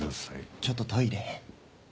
ちょっとトイレ。